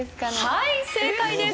はい正解です。